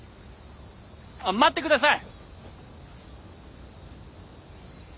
あっ待って下さい！